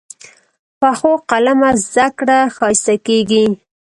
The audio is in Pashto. پخو قلمه زده کړه ښایسته کېږي